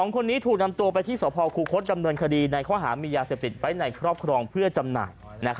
คนนี้ถูกนำตัวไปที่สภคูคศดำเนินคดีในข้อหามียาเสพติดไว้ในครอบครองเพื่อจำหน่าย